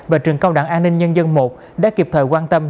và trường cao đẳng an ninh nhân dân i đã kịp thời quan tâm